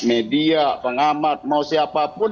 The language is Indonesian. media pengamat mau siapapun